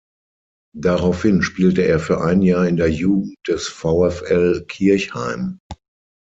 Daraufhin spielte er für ein Jahr in der Jugend des VfL Kirchheim.